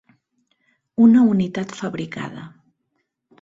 Una unitat fabricada.